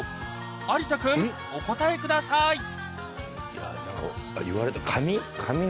有田君お答えください何か言われた。